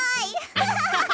アハハハ。